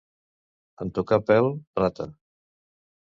En tocar pèl, rata.